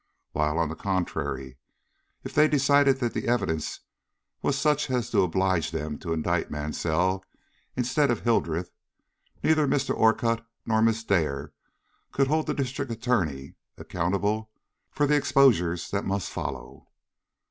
While, on the contrary, if they decided that the evidence was such as to oblige them to indict Mansell instead of Hildreth, neither Mr. Orcutt nor Miss Dare could hold the District Attorney accountable for the exposures that must follow.